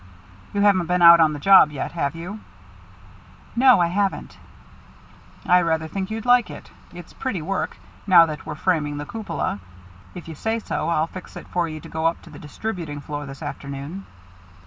"You haven't been out on the job yet, have you?" "No, I haven't." "I rather think you'd like it. It's pretty work, now that we're framing the cupola. If you say so, I'll fix it for you to go up to the distributing floor this afternoon."